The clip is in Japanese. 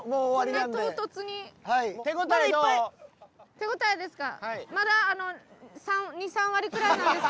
手応えですか？